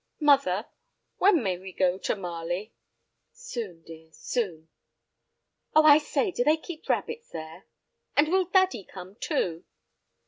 "Mother, when may we go to Marley?" "Soon, dear, soon." "Oh, I say, do they keep rabbits there?" "And will daddy come too?"